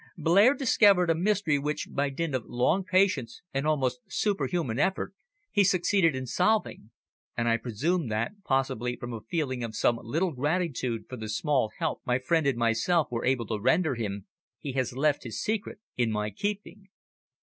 Blair discovered a mystery which, by dint of long patience and almost superhuman effort, he succeeded in solving, and I presume that, possibly from a feeling of some little gratitude for the small help my friend and myself were able to render him, he has left his secret in my keeping."